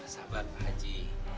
sabar pak haji